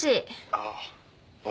☎あっ俺。